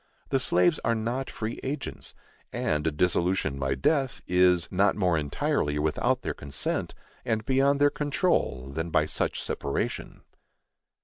The slaves are not free agents, and a dissolution by death, is not more entirely without their consent, and beyond their control, than by such separation.